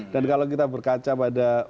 dan kalau kita berkaca pada